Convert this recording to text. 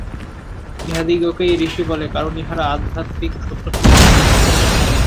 ইঁহাদিগকেই ঋষি বলে, কারণ ইঁহারা আধ্যাত্মিক সত্যসমূহ সাক্ষাৎ করিয়া থাকেন।